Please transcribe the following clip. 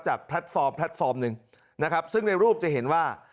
แพลตฟอร์มแพลตฟอร์มหนึ่งนะครับซึ่งในรูปจะเห็นว่า